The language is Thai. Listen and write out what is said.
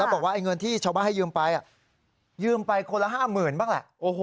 แล้วบอกว่าไอ้เงินที่ชาวบ้านให้ยืมไปอ่ะยืมไปคนละห้าหมื่นบ้างแหละโอ้โห